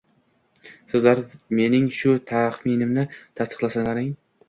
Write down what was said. Sizlar mening shu taxminimni tasdiqlasalaring.